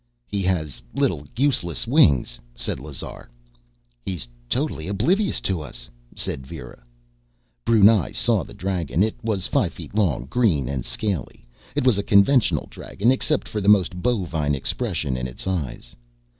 "He has little useless wings," said Lazar. "He is totally oblivious to us," said Vera. Brunei saw the dragon. It was five feet long, green and scaly. It was a conventional dragon, except for the most bovine expression in its eyes....